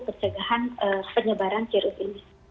pencegahan penyebaran virus ini